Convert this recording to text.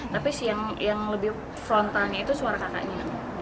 tapi yang lebih frontalnya itu suara kakaknya